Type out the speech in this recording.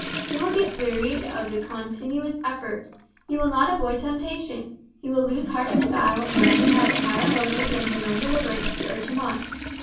He will get wearied of the continuous effort; he will not avoid temptation; he will lose heart in the battle unless he has a higher motive than his own deliverance to urge him on.